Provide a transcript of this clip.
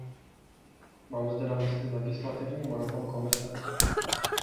Mám zde na mysli legislativní monopol Komise.